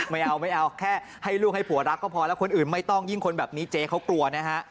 ไม่เอาไม่เอาแค่ให้ลูกให้ผัวรักก็พอแล้วคนอื่นไม่ต้องยิ่งคนแบบนี้เจ๊เขากลัวนะฮะ